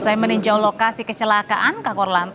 masih meninjau lokasi kecelakaan tunggal bus rosalia indah